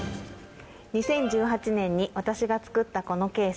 ２０１８年に私が作ったこのケース。